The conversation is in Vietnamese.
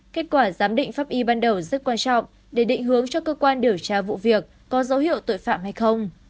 kết quả giám định pháp y ban đầu rất quan trọng để định hướng cho cơ quan điều tra vụ việc có dấu hiệu tội phạm hay không